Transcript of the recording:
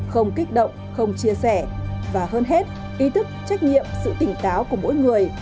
không kích động không chia sẻ và hơn hết ý thức trách nhiệm sự tỉnh táo của mỗi người